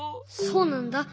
そうなんだ。